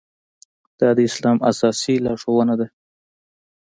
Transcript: دا د اسلام اساسي لارښوونه ده.